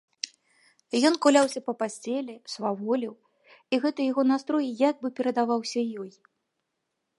Ён куляўся па пасцелі, сваволіў, і гэты яго настрой як бы перадаваўся ёй.